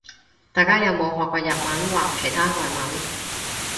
大家有冇學過日文或其他外文